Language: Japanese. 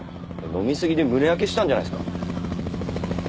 飲みすぎで胸焼けしたんじゃないですか？